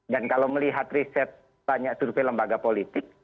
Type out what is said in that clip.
kalau melihat riset banyak survei lembaga politik